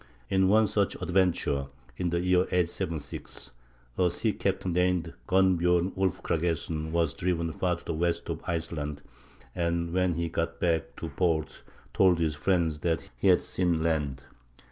In one such adventure, in the year 876, a sea captain named Gunnbjörn Ulfkragesson was driven far to the west of Iceland, and when he got back to port told his friends that he had seen land.